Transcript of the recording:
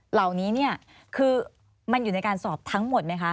เหล่านี้เนี่ยคือมันอยู่ในการสอบทั้งหมดไหมคะ